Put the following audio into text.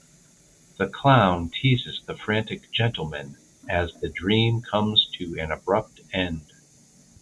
The clown teases the frantic gentleman as the dream comes to an abrupt end.